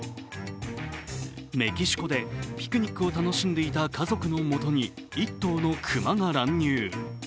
メキシコでピクニックを楽しんでいた家族のもとに、１頭の熊が乱入。